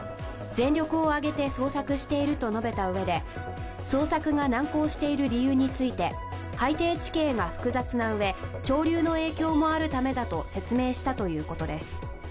全力を挙げて捜索していると述べたうえで、捜索が難航している理由について海底地形が複雑なうえ、潮流の影響もあるためだと説明したということです。